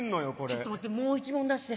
ちょっと待ってもう１問出して。